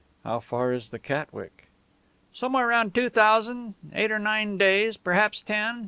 "How far is the Catwick?" "Somewhere round two thousand eight or nine days, perhaps ten.